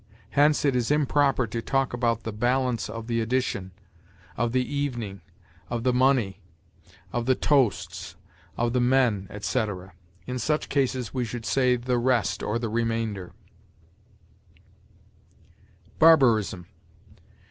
Hence it is improper to talk about the balance of the edition, of the evening, of the money, of the toasts, of the men, etc. In such cases we should say the rest or the remainder. BARBARISM.